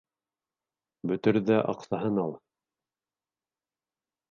Бөтөр ҙә аҡсаһын ал.